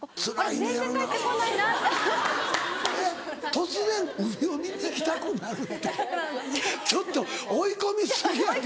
突然海を見に行きたくなるってちょっと追い込み過ぎやて。